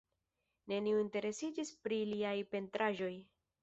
Neniu interesiĝis pri liaj pentraĵoj.